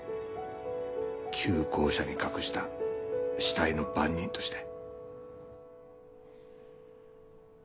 旧校舎に隠した死体の番人として。